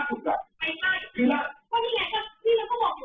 ก็นี่ไงพี่มันก็บอกว่า